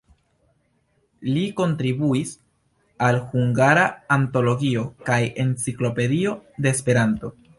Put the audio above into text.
Li kontribuis al "Hungara Antologio" kaj "Enciklopedio de Esperanto".